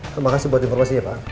terima kasih buat informasinya pak